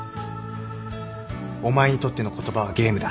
お前にとっての言葉はゲームだ